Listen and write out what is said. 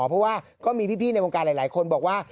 เพราะว่าก็มีพี่ในวงการหลายคนบอกว่า